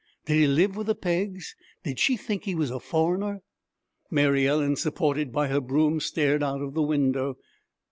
Did he live with the Peggs? Did she think he was a foreigner? Mary Ellen, supported by her broom, stared out of the window.